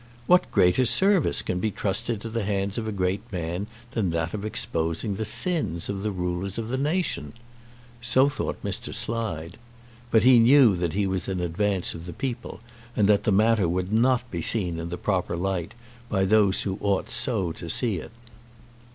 What greater service can be trusted to the hands of a great man than that of exposing the sins of the rulers of the nation? So thought Mr. Slide. But he knew that he was in advance of the people, and that the matter would not be seen in the proper light by those who ought so to see it.